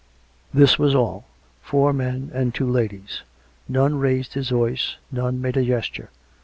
That was all — four men and two ladies. None raised his voice, none made a gesture.